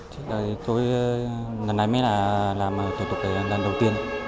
thì tôi lần này mới là làm tổ tục lần đầu tiên